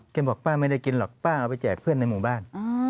บอกป้าไม่ได้กินหรอกป้าเอาไปแจกเพื่อนในหมู่บ้าน